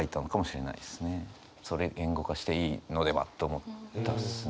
それを言語化していいのではと思ったんですよね。